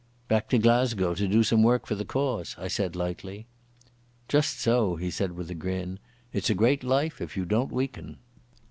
"Back to Glasgow to do some work for the cause," I said lightly. "Just so," he said with a grin. "It's a great life if you don't weaken."